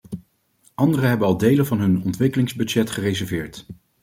Andere hebben al delen van hun ontwikkelingsbudget gereserveerd.